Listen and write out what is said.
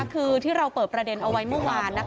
คือที่เราเปิดประเด็นเอาไว้เมื่อวาน